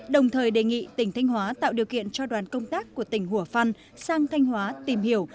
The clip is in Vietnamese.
đồng thời đề nghị tỉnh thanh hóa tạo điều kiện cho đoàn công tác của tỉnh hủa phăn sang thanh hóa tìm hiểu